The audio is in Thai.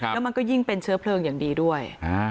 แล้วมันก็ยิ่งเป็นเชื้อเพลิงอย่างดีด้วย